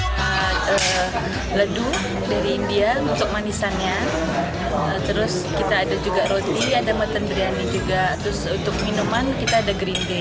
kita juga ada biru dari india untuk manisannya terus kita ada juga roti ada mutton biryani juga terus untuk minuman kita ada green day